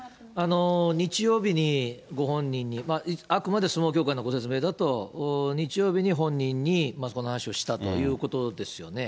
日曜日にご本人に、あくまで相撲協会のご説明だと、日曜日に本人にまずこの話をしたということですよね。